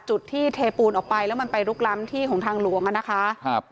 จุดที่เทปูนออกไปแล้วมันไปรุกรำที่ของทางหลวงนะคะ